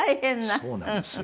そうなんですよ。